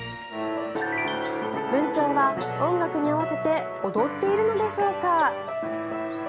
ブンチョウは音楽に合わせて踊っているのでしょうか。